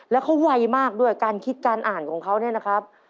แล้วเขาไวมากด้วยการคิดการอ่านของเขาเนี่ยนะครับ